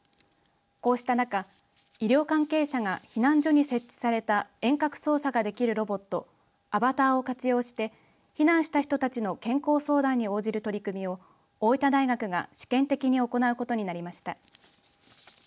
こうした中、医療関係者が避難所に設置された遠隔操作ができるロボットアバターを活用して避難した人たちの健康相談に応じる取り組みを大分大学が試験的に行うことになりました。